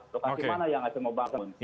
lokasi mana yang harus dibangun